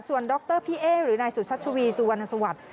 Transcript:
ส่วนดรพี่เอ๊หรือนายสุชัชวีสุวรรณสวัสดิ์